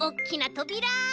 とびら？